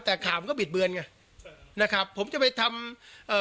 แต่ข่าวมันก็บิดเบือนไงนะครับผมจะไปทำเอ่อ